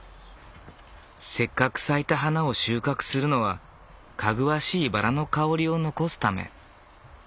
せっかく咲いた花を収穫するのはかぐわしいバラの香りを残すため。